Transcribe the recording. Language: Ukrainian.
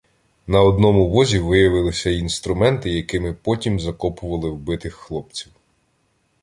На одному возі виявилися й інструменти, якими потім закопували вбитих хлопців.